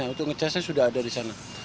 untuk nge charge nya sudah ada di sana